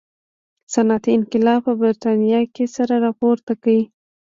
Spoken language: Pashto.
صنعتي انقلاب په برېټانیا کې سر راپورته کړي.